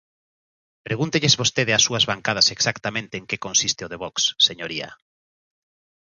Pregúntelles vostede ás súas bancadas exactamente en que consiste o de Vox, señoría.